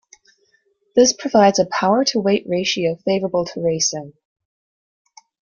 This provides a power-to-weight ratio favorable to racing.